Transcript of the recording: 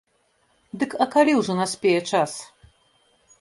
Дык а калі ўжо наспее час?